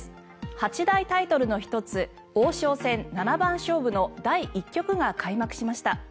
八大タイトルの１つ王将戦七番勝負の第１局が開幕しました。